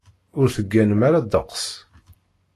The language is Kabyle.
Ur tegganem ara ddeqs.